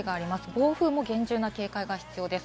暴風も厳重な警戒が必要です。